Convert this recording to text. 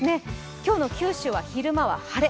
今日の九州は昼間は晴れ。